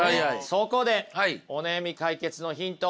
そこでお悩み解決のヒント